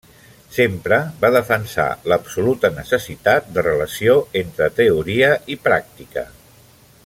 Sempre va defensar l’absoluta necessitat de relació entre teoria i pràctica.